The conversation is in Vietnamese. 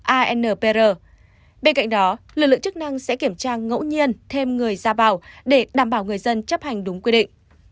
anpr bên cạnh đó lực lượng chức năng sẽ kiểm tra ngẫu nhiên thêm người ra vào để đảm bảo người dân chấp hành đúng quy định